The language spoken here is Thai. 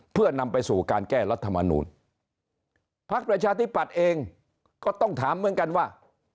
เพื่อนำไปสู่การแก้รัฐมนูลพักประชาธิปัตย์เองก็ต้องถามเหมือนกันว่า